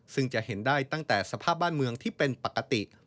ซึ่งจะเห็นได้ตั้งแต่สภาพบ้านเมืองที่เป็นปกติ